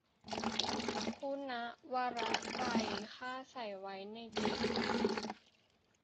คุณะวระไตร ข้าใส่ไว้ในเกศี